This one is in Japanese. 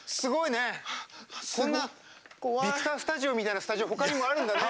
こんなビクタースタジオみたいなスタジオほかにもあるんだね。